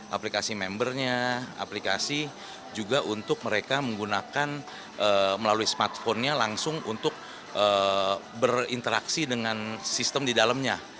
aplikasi membernya aplikasi juga untuk mereka menggunakan melalui smartphone nya langsung untuk berinteraksi dengan sistem di dalamnya